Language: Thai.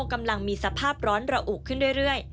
กำลังมีสภาพร้อนระอุขึ้นเรื่อย